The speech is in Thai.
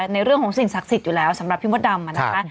ในเรื่องของสิ่งศักดิ์สิทธิ์อยู่แล้วสำหรับพี่มดดำนะคะ